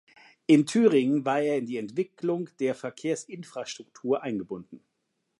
In Thüringen war er in die Entwicklung der Verkehrsinfrastruktur eingebunden.